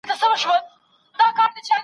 د بهرنیو ژبو لغاتونه په سمه توګه وکاروه.